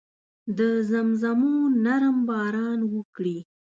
د زمزمو نرم باران وکړي